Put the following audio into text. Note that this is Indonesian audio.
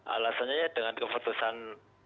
alasannya ya dengan keputusan